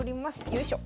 よいしょ。